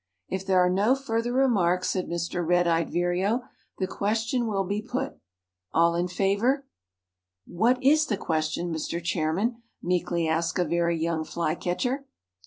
"If there are no further remarks," said Mr. Red eyed Vireo, "the question will be put. All in favor " "What is the question, Mr. Chairman?" meekly asked a very young Mr. Flycatcher.